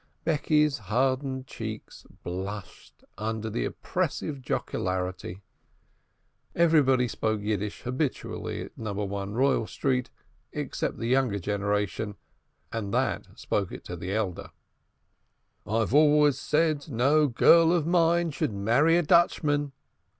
Becky's hardened cheek blushed under the oppressive jocularity. Everybody spoke Yiddish habitually at No. 1 Royal Street, except the younger generation, and that spoke it to the elder. "I always said, no girl of mine should marry a Dutchman."